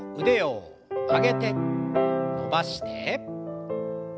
腕を曲げて伸ばして。